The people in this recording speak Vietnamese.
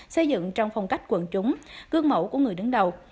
xây dựng trong phong cách quần chúng gương mẫu của người đứng đầu